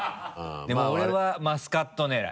俺はマスカット狙い。